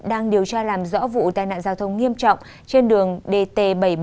đang điều tra làm rõ vụ tai nạn giao thông nghiêm trọng trên đường dt bảy trăm bốn mươi